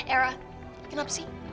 era kenapa sih